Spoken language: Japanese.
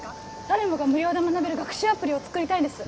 誰もが無料で学べる学習アプリを作りたいんです